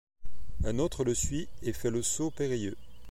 Un autre le suit et fait le saut périlleux.